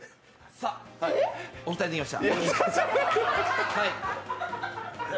さ、お二人、できました。